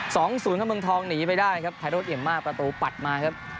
สองศูนย์ของเมืองทองหนีไปได้นะครับไพโดสเอ็มมาร์ประตูปัดมาครับ